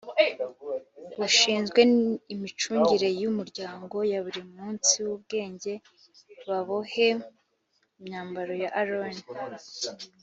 bushinzwe imicungire y umuryango ya buri munsiw ubwenge babohe imyambaro ya aroni